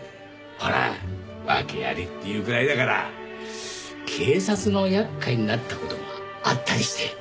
ほら訳ありっていうくらいだから警察の厄介になった事があったりして。